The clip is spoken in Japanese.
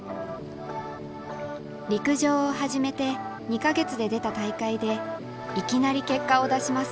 陸上を始めて２か月で出た大会でいきなり結果を出します。